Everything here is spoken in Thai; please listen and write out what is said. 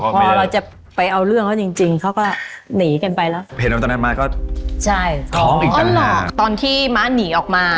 บอกให้เขาเลิกเขาก็ไม่เลิกอะไรอย่างนี้